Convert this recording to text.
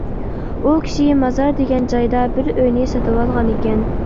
ئۇ كىشى مازار دېگەن جايدا بىر ئۆينى سېتىۋالغانىكەن.